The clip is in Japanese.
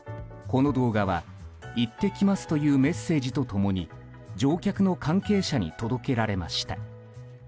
この動画は「行ってきます」というメッセージと共に乗客の関係者に届けられました。